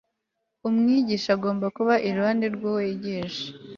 umwigisha agomba kuba iruhande rw'uwo yigisha